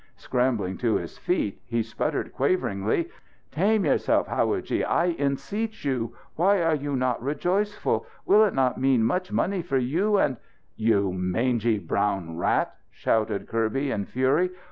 Scrambling to his feet, he sputtered quaveringly. "Tame yourself, howadji, I enseech you! Why are you not rejoiceful? Will it not mean much money for you; and " "You mangy brown rat!" shouted Kirby in fury.